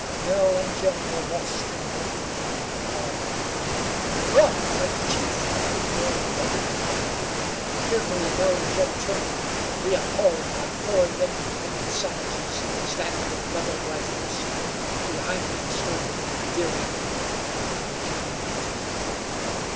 Nell and Jim were lost in wonder and awe. "Ugh!" cried the chief, looking toward the opening in the glade. Fearfully Nell and Jim turned, to be appalled by four naked, painted savages standing with leveled rifles. Behind them stood Deering and Jim Girty.